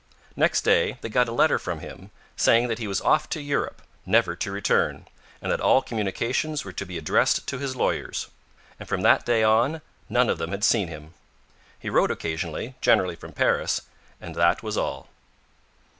Next day they got a letter from him, saying that he was off to Europe, never to return, and that all communications were to be addressed to his lawyers. And from that day on none of them had seen him. He wrote occasionally, generally from Paris; and that was all.